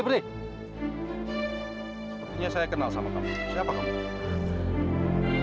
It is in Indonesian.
berikutnya saya kenal sama kamu siapa kamu